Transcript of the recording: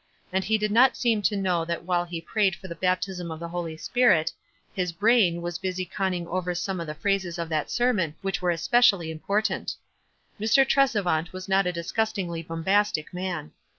And he did not seem to know that while he prayed for the baptism of the Holy Spirit, his brain was busy conning over some of the phrases of that sermon which were especially important. Mr. Tresevant was not a disgust ingly bombastic man.